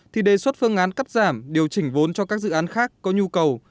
thì đề xuất phương án cắt giảm điều chỉnh vốn cho các dự án khác có nhu cầu